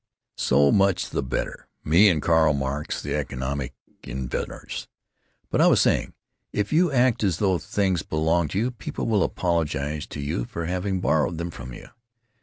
"So much the better. Me and Karl Marx, the economic inventors.... But I was saying: if you act as though things belong to you people will apologize to you for having borrowed them from you.